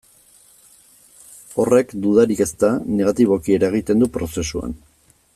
Horrek, dudarik ez da, negatiboki eragiten du prozesuan.